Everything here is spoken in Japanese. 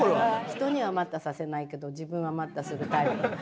人には「待った」させないけど自分は「待った」するタイプ。